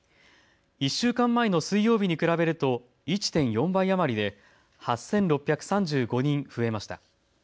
１週間前の水曜日に比べると１．４倍余りで８６３５人増えました。